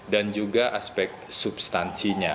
dan juga aspek substansinya